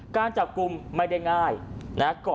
การจับกลุ่มไม่ได้ง่ายนะ